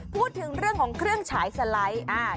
พูดถึงเรื่องของเครื่องฉายสไลด์